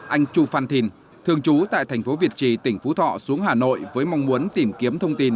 anh chu phan thìn thường trú tại thành phố việt trì tỉnh phú thọ xuống hà nội với mong muốn tìm kiếm thông tin